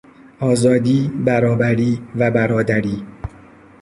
آزادی، برابری و برادری